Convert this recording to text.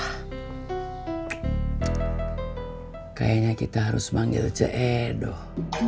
hai kayaknya kita harus manggil ceedoh